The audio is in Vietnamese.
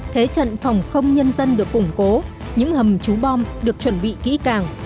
thế trận phòng không nhân dân được củng cố những hầm trú bom được chuẩn bị kỹ càng